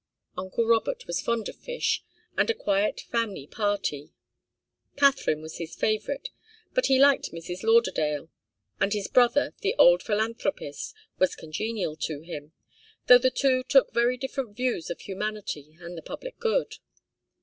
Uncle Robert was fond of fish and a quiet family party. Katharine was his favourite, but he liked Mrs. Lauderdale, and his brother, the old philanthropist, was congenial to him, though the two took very different views of humanity and the public good.